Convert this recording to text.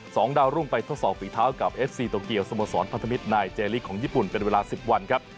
สองดาวรุ่งไปทดสอบฝีเท้ากับเอฟซีโตเกียวสโมสรพันธมิตรนายเจลิกของญี่ปุ่นเป็นเวลาสิบวันครับ